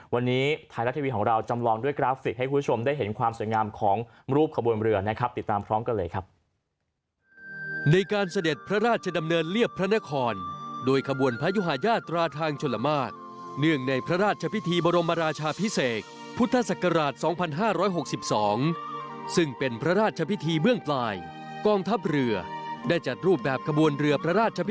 วันนี้ไทยรัททีวีของเราจำลองด้วยกราฟิกให้คุณผู้ชมได้เห็นความสวยงามของรูปขบวนเรือนะครับ